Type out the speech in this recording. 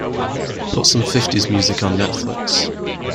Put some fifties music on Netflix